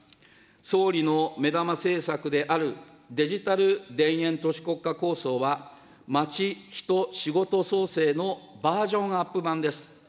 総理の目玉政策である、デジタル田園都市国家構想は、まち・ひと・しごと創生のバージョンアップ版です。